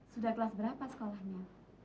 sudah kelas berapa sekolahnya